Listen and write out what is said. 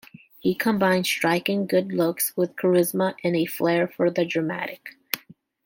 He combined striking good looks with charisma and a flair for the dramatic.